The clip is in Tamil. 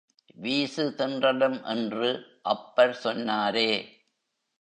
வீசு தென்றலும் என்று அப்பர் சொன்னாரே!